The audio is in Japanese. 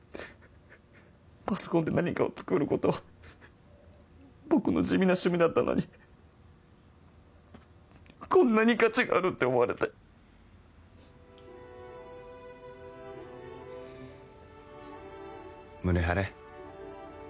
パソコンで何かを作ることは僕の地味な趣味だったのにこんなに価値があるって思われて胸張れ